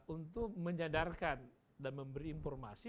untuk menyadarkan dan memberi informasi